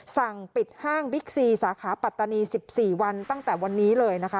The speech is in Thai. สั่งปิดห้างบิ๊กซีสาขาปัตตานี๑๔วันตั้งแต่วันนี้เลยนะคะ